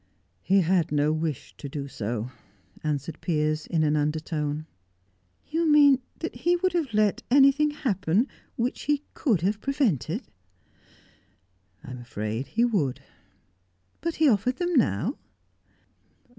"He had no wish to do so," answered Piers, in an undertone. "You mean that he would have let anything happen which he could have prevented?" "I'm afraid he would." "But he offered them now?"